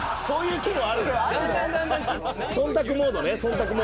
そういう機能あるんだ。